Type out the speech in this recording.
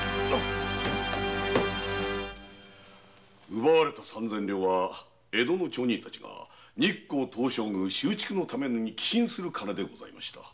奪われた三千両は江戸の町民たちが日光東照宮修築のために寄進する金でございました。